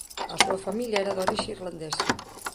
A súa familia era de orixe irlandesa.